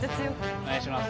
お願いします。